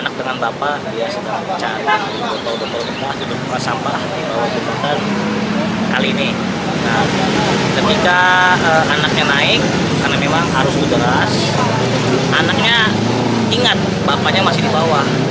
ketika anaknya naik karena memang arus deras anaknya ingat bapaknya masih di bawah